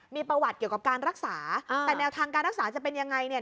มีประวัติเกี่ยวกับการรักษาแต่แนวทางการรักษาจะเป็นยังไงเนี่ย